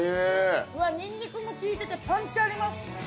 ニンニクも効いててパンチあります。